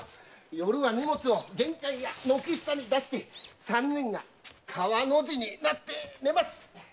夜は荷物を玄関や軒下に出して三人が川の字になって寝ます。